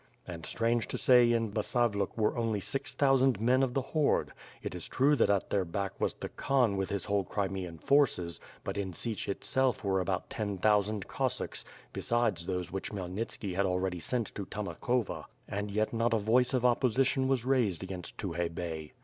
And strange to say in Basavluk were only six thousand men of the horde! It is true that at their back was the Khan with his whole Crimean forces, but in Sich itself were about ten thousand Cossacks, besides those which Khmyelnitski had already sent to Tamokovka — and yet not a voice of opposition was raised against Tukhay Bey.